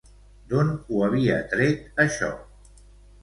D'on ho havia tret això?